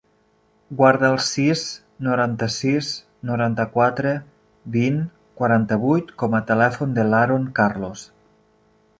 Guarda el sis, noranta-sis, noranta-quatre, vint, quaranta-vuit com a telèfon de l'Haron Carlos.